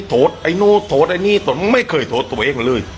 ไอ้นู้นโทษไอ้นี่ไม่เคยโทษตัวเองเลย